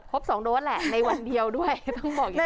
๒โดสแหละในวันเดียวด้วยต้องบอกอย่างนี้